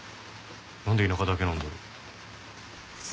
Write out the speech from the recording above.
なんで田舎だけなんだろう？